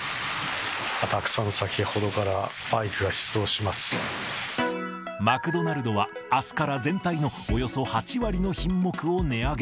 たくさん、マクドナルドは、あすから全体のおよそ８割の品目を値上げ。